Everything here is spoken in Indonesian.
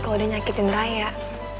kalo dia nyakitin rayek